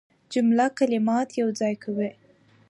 جمله کلمات یوځای کوي.